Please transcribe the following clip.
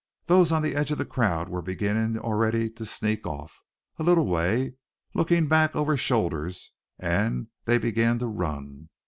Those on the edge of the crowd were beginning already to sneak off; a little way, looking back over shoulders, and they began to run.